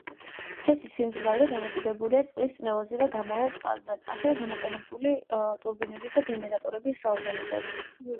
ჰესის სიმძლავრე დამოკიდებულია წყლის წნევაზე და გამავალ წყალზე, ასევე გამოყენებული ტურბინების და გენერატორების რაოდენობაზე.